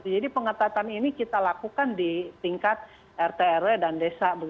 jadi pengetatan ini kita lakukan di tingkat rt rw dan desa